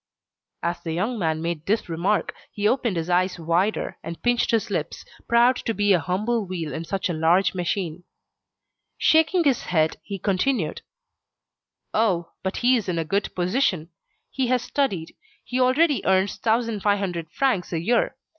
As the young man made this remark, he opened his eyes wider, and pinched his lips, proud to be a humble wheel in such a large machine. Shaking his head, he continued: "Oh! but he is in a good position. He has studied. He already earns 1,500 francs a year.